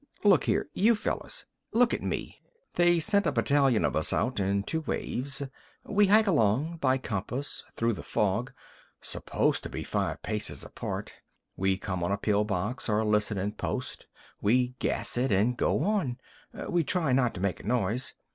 "Look here, you fellers. Look at me. They sent a battalion of us out, in two waves. We hike along by compass through the fog, supposed to be five paces apart. We come on a pill box or listenin' post, we gas it an' go on. We try not to make a noise.